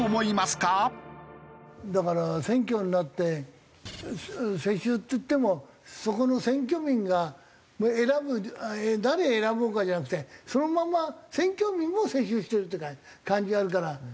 だから選挙になって世襲っていってもそこの選挙民が選ぶ誰選ぼうかじゃなくてそのまんま選挙民も世襲してるっていうか感じがあるから。